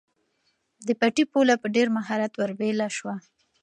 د پټي پوله په ډېر مهارت ورېبل شوه.